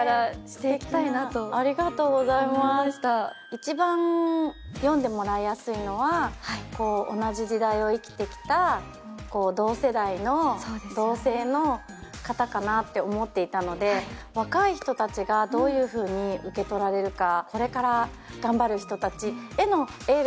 一番読んでもらいやていのは同じ時代を生きてきた同世代の同性の方かなと思っていたので若い人たちが、どういうふうに受け取られるか。